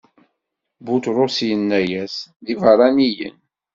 Buṭrus inna-as: D ibeṛṛaniyen.